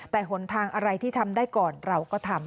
แต่หนทางอะไรที่ทำได้ก่อนเราก็ทำ